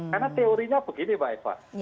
karena teorinya begini mbak eva